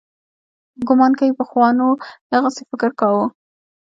ګومان کوي پخوانو دغسې فکر کاوه.